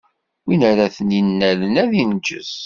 Win ara ten-innalen ad inǧes.